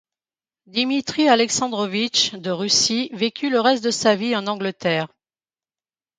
Dimitri Alexandrovitch de Russie vécut le reste de sa vie en Angleterre.